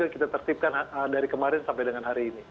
kita tertipkan dari kemarin sampai dengan hari ini